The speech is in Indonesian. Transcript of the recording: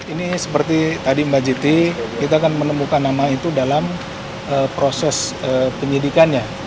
ini seperti tadi mbak jiti kita akan menemukan nama itu dalam proses penyidikannya